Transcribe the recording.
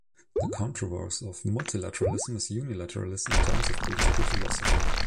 The converse of multilateralism is unilateralism in terms of political philosophy.